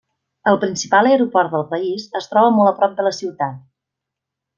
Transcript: El principal aeroport del país es troba molt a prop de la ciutat.